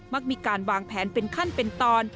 ักมีการวางแผนเป็นขั้นเป็นตอน